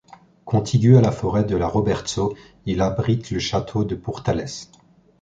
Contigu à la forêt de la Robertsau, il abrite le château de Pourtalès.